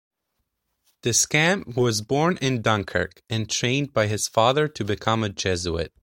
Descamps was born in Dunkirk, and trained by his father to become a Jesuit.